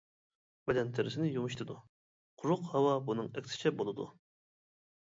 بەدەن تېرىسىنى يۇمشىتىدۇ، قۇرۇق ھاۋا بۇنىڭ ئەكسىچە بولىدۇ.